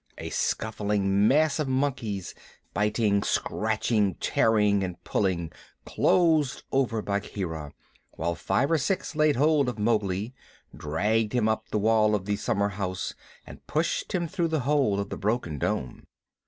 A scuffling mass of monkeys, biting, scratching, tearing, and pulling, closed over Bagheera, while five or six laid hold of Mowgli, dragged him up the wall of the summerhouse and pushed him through the hole of the broken dome.